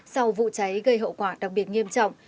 sau vụ cháy gây hậu quả đặc biệt nghiêm trọng